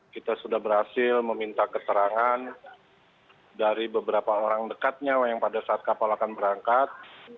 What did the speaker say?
kita sudah berhasil meminta keterangan dari beberapa orang dekatnya yang pada saat kapal akan berangkat